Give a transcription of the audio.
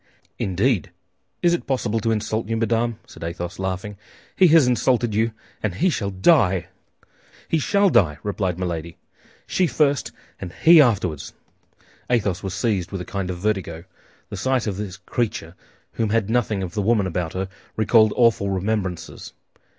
"Indeed! Is it possible to insult you, madame?" said Athos, laughing; "he has insulted you, and he shall die!" "He shall die!" replied Milady; "she first, and he afterward." Athos was seized with a kind of vertigo. The sight of this creature, who had nothing of the woman about her, recalled awful remembrances.